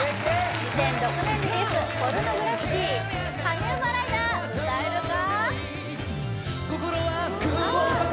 ２００６年リリースポルノグラフィティ「ハネウマライダー」歌えるか？